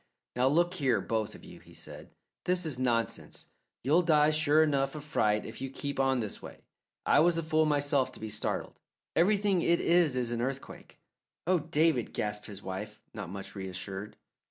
"Now, look here, both of you," he said. "This is nonsense. You'll die sure enough of fright if you keep on this way. I was a fool myself to be startled. Everything it is is an earthquake." "Oh, David!" gasped his wife, not much reassured.